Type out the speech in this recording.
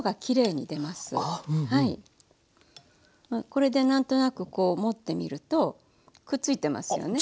これで何となくこう持ってみるとくっついてますよね。